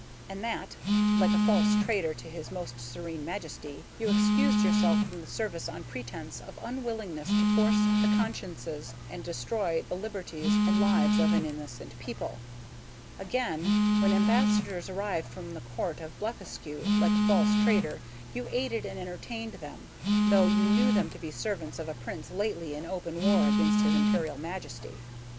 And that, like a false traitor to his Most Serene Majesty, you excused yourself from the service on pretence of unwillingness to force the consciences and destroy the liberties and lives of an innocent people. "Again, when ambassadors arrived from the Court of Blefuscu, like a false traitor, you aided and entertained them, though you knew them to be servants of a prince lately in open war against his Imperial Majesty.